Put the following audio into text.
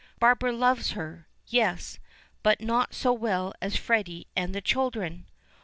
Barbara loves, her; yes, but not so well as Freddy and the children!